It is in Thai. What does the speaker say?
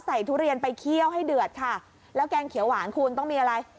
ทุเรียนไปเคี่ยวให้เดือดค่ะแล้วแกงเขียวหวานคุณต้องมีอะไร